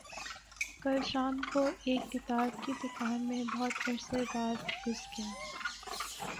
کل شام کو ایک کتاب کی دکان میں بہت عرصہ بعد گھس گیا